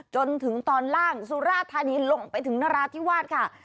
จนถึงตอนล่างสุราธานีลงไปถึงนราธิวาสค่ะ